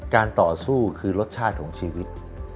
ต่อสู้คือรสชาติของชีวิต